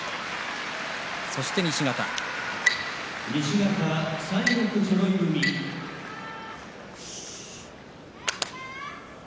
そして西方です。